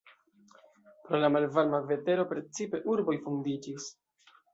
Pro la malvarma vetero precipe urboj fondiĝis.